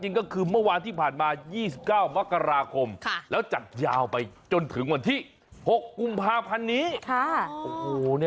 ก็คือเมื่อวานที่ผ่านมา๒๙มกราคมแล้วจัดยาวไปจนถึงวันที่๖กุมภาพันธ์นี้